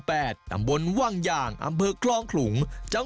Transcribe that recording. ตำบลว่างยางอำเภอคลองขลุง